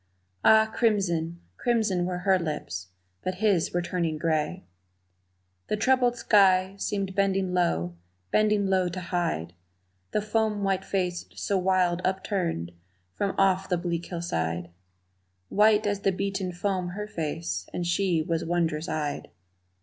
Ah, crimson, crimson were her lips, but his were turning gray. The troubled sky seemed bending low, bending low to hide The foam white face so wild upturned from off the bleak hillside White as the beaten foam her face, and she was wond'rous eyed.